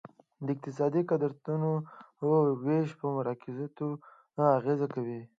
د اقتصادي قدرتونو ویش په مذاکراتو اغیزه کوي